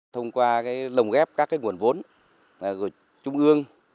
thông qua cái lồng ghép các cái nguồn vốn của trung ương